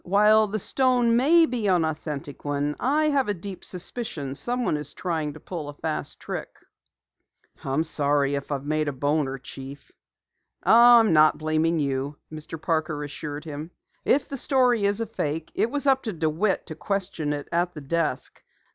"While the stone may be an authentic one, I have a deep suspicion someone is trying to pull a fast trick." "I'm sorry if I've made a boner, Chief." "Oh, I'm not blaming you," Mr. Parker assured him. "If the story is a fake, it was up to DeWitt to question it at the desk.